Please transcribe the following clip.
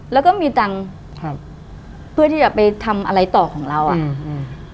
แล้วก็มีตังค์เพื่อที่จะไปทำอะไรต่อของเราอ่ะ